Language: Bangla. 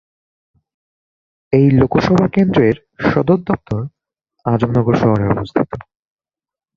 এই লোকসভা কেন্দ্রের সদর দফতর আজমগড় শহরে অবস্থিত।